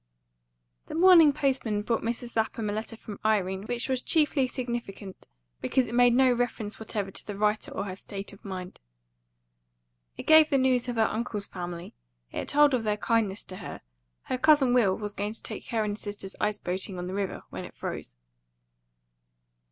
THE morning postman brought Mrs. Lapham a letter from Irene, which was chiefly significant because it made no reference whatever to the writer or her state of mind. It gave the news of her uncle's family; it told of their kindness to her; her cousin Will was going to take her and his sisters ice boating on the river, when it froze.